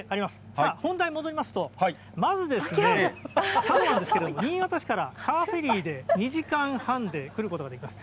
さあ、本題に戻りますと、まず佐渡なんですけれども、新潟市からカーフェリーで２時間半で来ることができます。